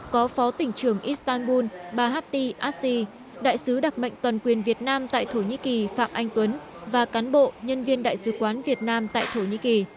có phó tỉnh trưởng istanbul bahati asi đại sứ đặc mệnh toàn quyền việt nam tại thổ nhĩ kỳ phạm anh tuấn và cán bộ nhân viên đại sứ quán việt nam tại thổ nhĩ kỳ